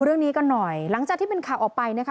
เรื่องนี้กันหน่อยหลังจากที่เป็นข่าวออกไปนะคะ